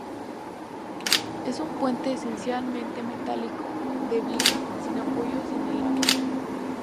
Es un puente esencialmente metálico, de viga, sin apoyos en el agua.